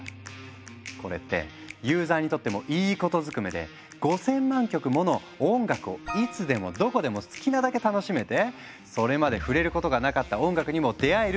これってユーザーにとってもいいことずくめで５，０００万曲もの音楽をいつでもどこでも好きなだけ楽しめてそれまで触れることがなかった音楽にも出会えるっていう画期的な話。